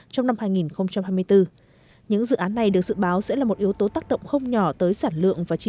trong năm hai nghìn hai mươi bốn những dự án này được dự báo sẽ là một yếu tố tác động không nhỏ tới sản lượng và chi